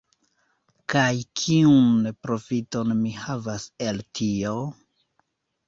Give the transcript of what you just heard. Kaj kiun profiton mi havas el tio?